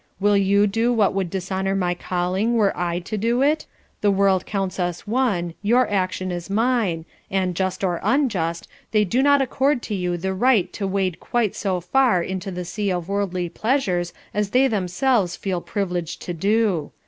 Will you do what would dishonour my calling were I to do it? The world counts us one, your action is mine, and just or unjust, they do not accord to you the right to wade quite so far into the sea of worldly pleasures as they themselves feel privileged to do.